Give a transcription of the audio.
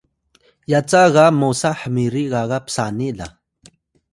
yaca ga mosa hmiri gaga psani la